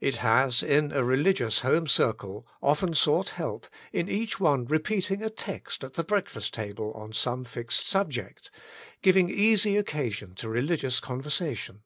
It has, in a religious home circle, often sought help, in each one repeating a text at the breakfast table on some fixed subject, giving easy occasion to religious conversation.